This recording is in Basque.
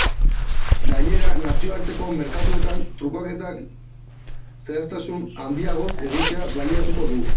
Gainera, nazioarteko merkatuetan trukaketak zehaztasun handiagoz egitea baliatuko du.